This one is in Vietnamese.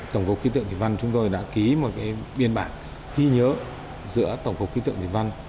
tổng cục khí tượng thủy văn chúng tôi đã ký một biên bản ghi nhớ giữa tổng cục khí tượng thủy văn